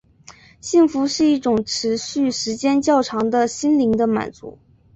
幸福是一种持续时间较长的心灵的满足。